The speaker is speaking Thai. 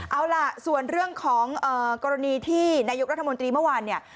เอาล่ะส่วนเรื่องของกรณีที่นายกรัฐมนตรีเมื่อวานเนี่ย